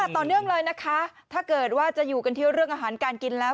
ต่อเนื่องเลยนะคะถ้าเกิดว่าจะอยู่กันที่เรื่องอาหารการกินแล้ว